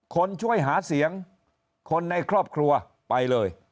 คนช่วยหาเสียงคนในครอบครัวไปเลย